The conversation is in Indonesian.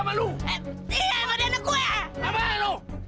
apa lu dua duanya gua gambarin